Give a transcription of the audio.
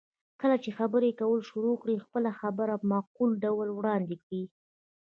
کله چې خبرې کول شروع کړئ، خپله خبره په معقول ډول وړاندې کړئ.